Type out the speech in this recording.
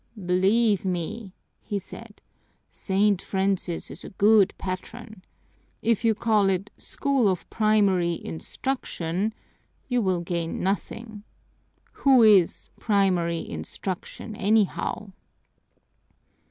"Believe me," he said, "St. Francis is a good patron. If you call it 'School of Primary Instruction,' you will gain nothing. Who is Primary Instruction, anyhow?"